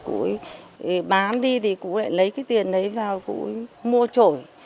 cụ bán đi thì cụ lại lấy cái tiền đấy vào cụ mua trổi